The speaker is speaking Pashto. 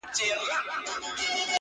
آسمانه واخله ککرۍ درغلې.!